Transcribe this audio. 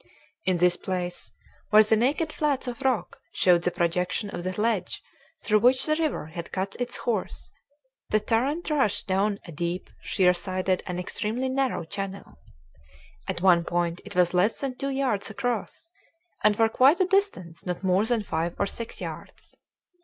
In this place, where the naked flats of rock showed the projection of the ledge through which the river had cut its course, the torrent rushed down a deep, sheer sided, and extremely narrow channel. At one point it was less than two yards across, and for quite a distance not more than five or six yards.